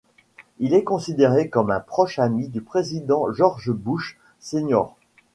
Il est considéré comme un proche ami du président George Bush Senior.